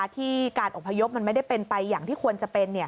ที่การอบพยพมันไม่ได้เป็นไปอย่างที่ควรจะเป็น